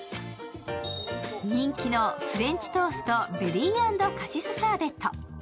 人気のフレンチトーストベリー＆カシスシャーベット。